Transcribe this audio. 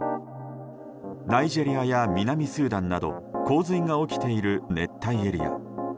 ナイジェリアや南スーダンなど洪水が起きている熱帯エリア。